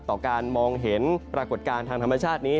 ต่อการมองเห็นปรากฏการณ์ทางธรรมชาตินี้